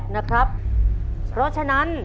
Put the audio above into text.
นะครับเพราะฉะนั้น